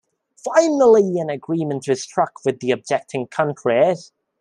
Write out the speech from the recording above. Finally an agreement was struck with the objecting countries.